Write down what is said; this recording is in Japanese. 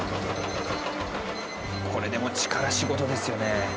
これでも力仕事ですよね。